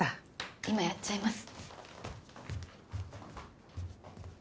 今やっちゃいます。